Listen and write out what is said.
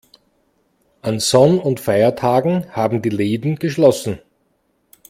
An Sonn- und Feiertagen haben die Läden geschlossen.